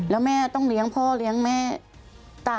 แล้วแม่ต้องเลี้ยงพ่อเลี้ยงแม่